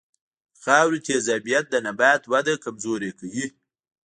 د خاورې تیزابیت د نبات وده کمزورې کوي.